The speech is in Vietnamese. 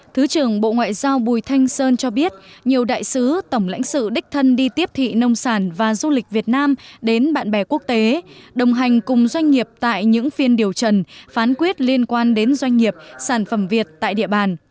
thứ trưởng bộ ngoại giao bùi thanh sơn cho biết nhiều đại sứ tổng lãnh sự đích thân đi tiếp thị nông sản và du lịch việt nam đến bạn bè quốc tế đồng hành cùng doanh nghiệp tại những phiên điều trần phán quyết liên quan đến doanh nghiệp sản phẩm việt tại địa bàn